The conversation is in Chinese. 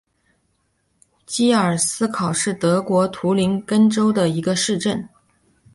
基尔施考是德国图林根州的一个市镇。